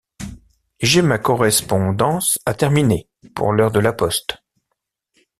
J’ai ma correspondance à terminer pour l’heure de la poste.